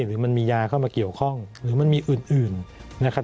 หรือมันมียาเข้ามาเกี่ยวข้องหรือมันมีอื่นนะครับ